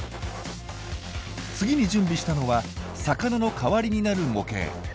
次に準備したのは魚の代わりになる模型。